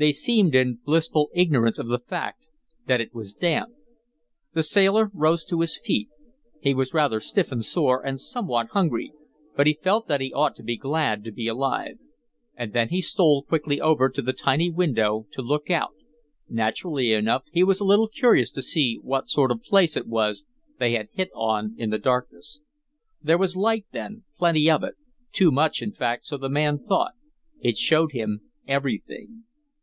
They seemed in blissful ignorance of the fact that it was damp. The sailor rose to his feet; he was rather stiff and sore, and somewhat hungry, but he felt that he ought to be glad to be alive. And then he stole quickly over to the tiny window to look out; naturally enough he was a little curious to see what sort of a place it was they had hit on in the darkness. There was light, then, plenty of it too much in fact, so the man thought. It showed him everything.